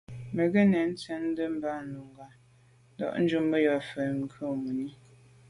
Mə́ gə nɛ̄n tsjə́ə̀də̄ bā núngā ndà’djú mə́ fá yɔ̀ mùní.